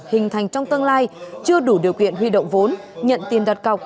hình thành trong tương lai chưa đủ điều kiện huy động vốn nhận tiền đặt cọc